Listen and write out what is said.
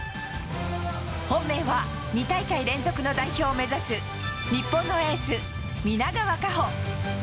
本命は２大会連続の代表を目指す日本のエース、皆川夏穂。